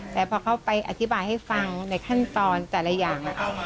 แต่พอเขาไปอธิบายให้ฟังในขั้นตอนแต่ละอย่าง